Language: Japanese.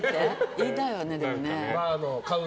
言いたいわね、でもね。